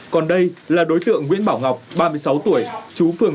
còn đây là đối tượng nguyễn bảo ngọc ba mươi sáu tuổi